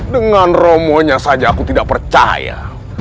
dengan romonya saja aku tidak percaya